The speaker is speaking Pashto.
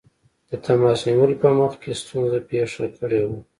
د تماس نیولو په مخ کې ستونزه پېښه کړې وه.